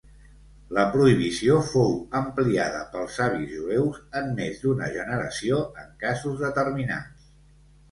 La prohibició fou ampliada pels Savis jueus en més d'una generació en casos determinats.